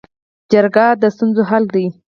جرګه د ستونزو حل دی